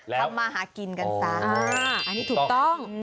ทำมาหากินกันซะอันนี้ถูกต้อง